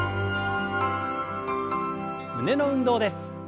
胸の運動です。